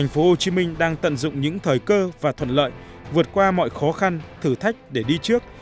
bởi cơ và thuận lợi vượt qua mọi khó khăn thử thách để đi trước